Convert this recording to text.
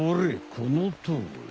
このとおり。